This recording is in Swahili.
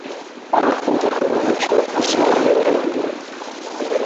vifo kutokana na uchafuzi wa hewa ulimwenguni